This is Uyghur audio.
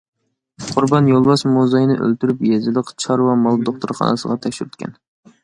قۇربان يولۋاس موزاينى ئۆلتۈرۈپ يېزىلىق چارۋا مال دوختۇرخانىسىغا تەكشۈرتكەن.